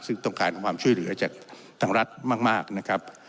ซึ่งต้องการความช่วยเหลือจากทางรัฐมากนะครับ